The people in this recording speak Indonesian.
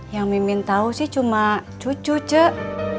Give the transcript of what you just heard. yang mimin tahu sih cuma cucu cek